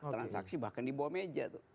transaksi bahkan di bawah meja tuh